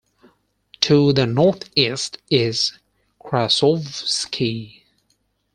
To the northeast is Krasovskiy.